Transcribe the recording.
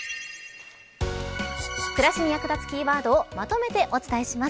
暮らしに役立つキーワードをまとめてお伝えします。